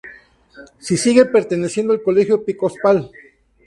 Sí siguen perteneciendo al Colegio Episcopal.